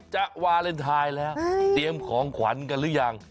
วาเลนไทยแล้วเตรียมของขวัญกันหรือยัง